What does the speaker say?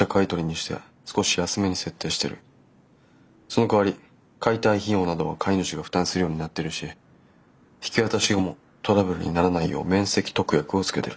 そのかわり解体費用などは買い主が負担するようになってるし引き渡し後もトラブルにならないよう免責特約をつけてる。